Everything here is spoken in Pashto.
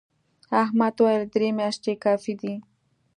احمد وويل: درې میاشتې کافي دي.